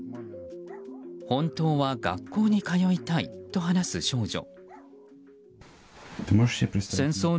本当は学校に通いたいと話す少女。